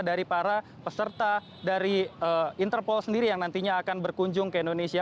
dari para peserta dari interpol sendiri yang nantinya akan berkunjung ke indonesia